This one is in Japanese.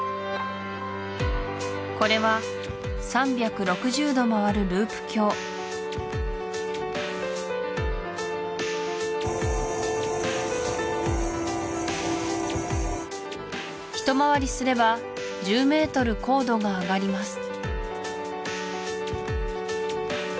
これは３６０度回るループ橋一回りすれば１０メートル高度が上がります